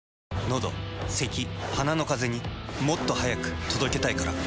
のどせき鼻のカゼにもっと速く届けたいから。